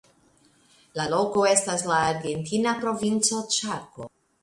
La loko estas la argentina provinco Ĉako.